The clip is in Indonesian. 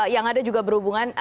yang ada juga berhubungan